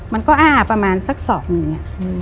มันก็อ้าประมาณสักศอกหนึ่ง